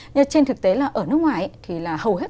nhưng trên thực tế là ở nước ngoài thì là hầu hết